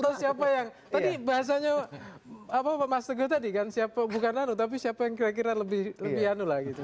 atau siapa yang tadi bahasanya mas teguh tadi kan siapa bukan anu tapi siapa yang kira kira lebih anu lah gitu